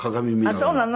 あっそうなの？